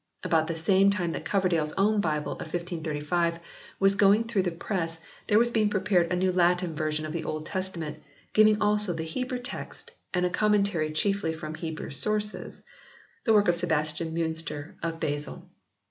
About the same time that Coverdale s own Bible of 1535 was going through the press there was being prepared a new Latin version of the Old Testament, giving also the Hebrew text and a commentary chiefly from Hebrew sources, the work of Sebastian Minister of Basle.